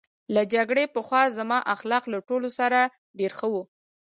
له جګړې پخوا زما اخلاق له ټولو سره ډېر ښه وو